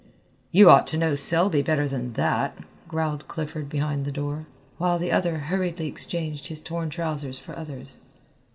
"You ought to know Selby better than that," growled Clifford behind the door, while the other hurriedly exchanged his torn trousers for others.